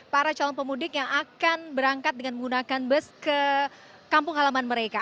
para calon pemudik yang akan berangkat dengan menggunakan bus ke kampung halaman mereka